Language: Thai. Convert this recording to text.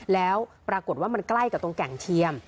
แล้วปรากฏว่ามันใกล้กับตรงแก่งเทียม